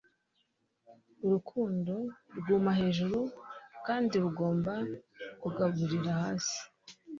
urukundo rwuma hejuru kandi rugomba kugaburira hasi